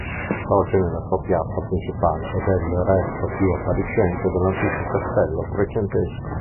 Sorge nella sua piazza principale ed è il resto più appariscente dell'antico castello trecentesco.